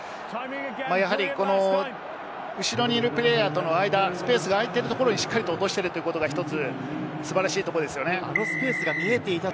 やはり後ろにいるプレーヤーとのスペースが空いているところにしっかり落としているというところが素晴らしいところです。